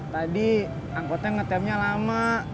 tadi anggotnya ngetemnya lama